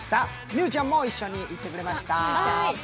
美羽ちゃんも一緒に行ってくれました。